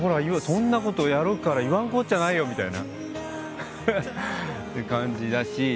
今そんなことやるから言わんこっちゃないよ」みたいな感じだし。